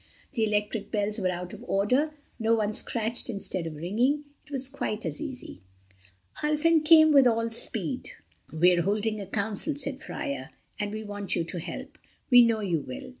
The electric bells were out of order, so one scratched instead of ringing. It was quite as easy. Ulfin came with all speed. "We're holding a council," said Freia, "and we want you to help. We know you will."